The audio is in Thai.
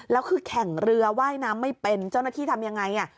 แล้วคือแข่งเรือว่ายน้ำไม่เป็นเจ้าหน้าที่ทำยังไง